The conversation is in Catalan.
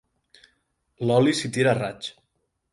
L'oli s'hi tira a raig.